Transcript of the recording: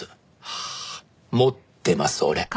ああもってます俺。